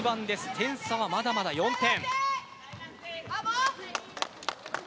点差はまだ４点。